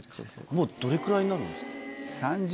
もうどれくらいになるんですか？